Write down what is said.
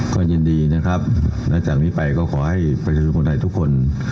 ก็ยินดีนะครับและจากนี้ไปก็ขอให้ประชาชนคนไทยทุกคน